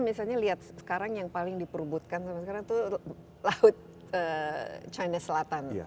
misalnya lihat sekarang yang paling diperbutkan itu laut china selatan